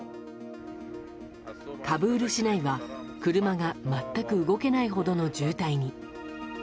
カブール市内は車が全く動けないほどの渋滞に。